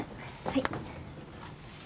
はい。